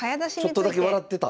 ちょっとだけ笑ってた。